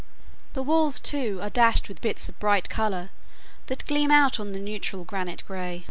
The walls, too, are dashed with bits of bright color that gleam out on the neutral granite gray.